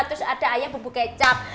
terus ada ayam bubuk kecap